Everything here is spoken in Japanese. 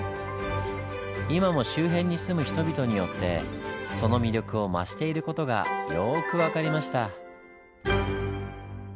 今も周辺に住む人々によってその魅力を増している事がよく分かりました。